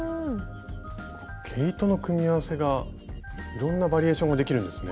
毛糸の組み合わせがいろんなバリエーションができるんですね。